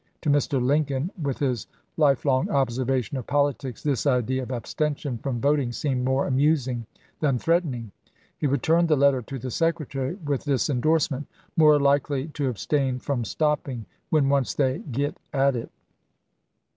To Mr. Lincoln, with his lifelong observation of politics, this idea of abstention from voting seemed more amusing than threatening. He returned the letter to the Secretary with this indorsement: "More likely to abstain from stopping when once they get at it."